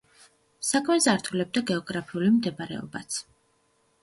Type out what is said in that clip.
საქმეს ართულებდა გეოგრაფიული მდებარეობაც.